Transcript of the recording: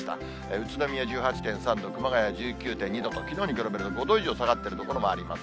宇都宮１８．３度、熊谷１９．２度と、きのうに比べると５度以上下がってる所もあります。